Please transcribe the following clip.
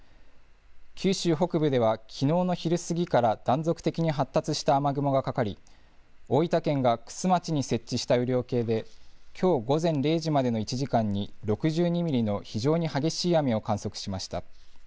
九州北部では、きのうの昼過ぎから断続的に発達した雨雲がかかり、大分県が玖珠町に設置した雨量計で、きょう午前０時までの１時間に６２ミリの非常に激しい雨が観測しました。